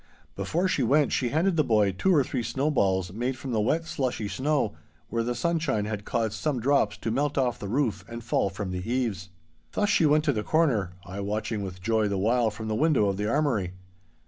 Before she went she handed the boy two or three snowballs made from the wet, slushy snow, where the sunshine had caused some drops to melt off the roof and fall from the eaves. Thus she went to the corner, I watching with joy the while from the window of the armoury.